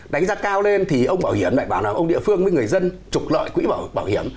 đánh giá cao lên thì ông bảo hiểm lại bảo là ông địa phương với người dân trục lợi quỹ bảo hiểm